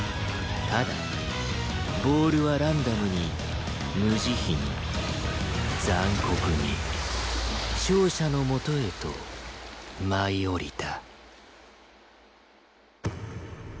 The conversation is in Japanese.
ただボールはランダムに無慈悲に残酷に勝者のもとへと舞い降りた